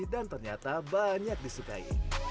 dan ternyata banyak disukai